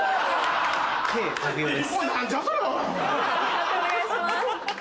判定お願いします。